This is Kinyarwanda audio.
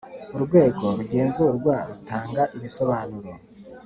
Urwego rugenzurwa rutanga ibisobanuro